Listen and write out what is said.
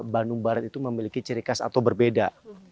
bandung barat itu memiliki ciri khas atau berbeda